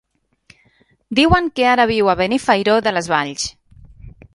Diuen que ara viu a Benifairó de les Valls.